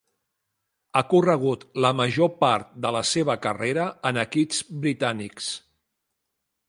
Ha corregut la major part de la seva carrera en equips britànics.